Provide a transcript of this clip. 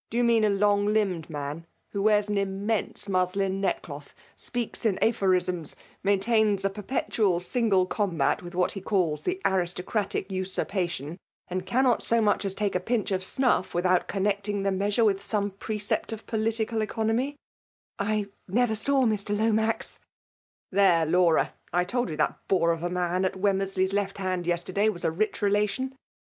109 ' *'Da you meaoi a long^Umbod mani who treart an imaeiiBe nraslin neckclofth ; qieake in aplioxisns; msmtains a perpetual aiBgle oomr l)at \fUh what he calls the aristocratic luiurpur Uon ; and eannot so much a$ take a ptnth of fmoff witkent connecting the measure with aome precept of political economy ?^*' I never saw Mr. Lomax." ^ There, Laura ! I told you that bore of a 'nan at Wemmeraley*s left hand yesterday was '■a rich relation.